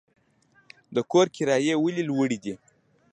د کور کرایې ولې لوړې دي؟